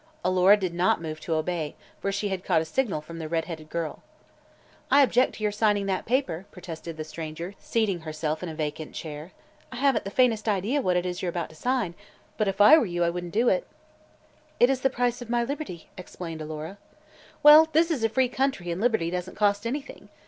Alora did not move to obey, for she had caught a signal from the red headed girl. "I object to your signing that paper," protested the stranger, seating herself in a vacant chair. "I haven't the faintest idea what it is you're about to sign, but if I were you I wouldn't do it." "It is the price of my liberty," explained Alora. "Well, this is a free country and liberty doesn't cost anything.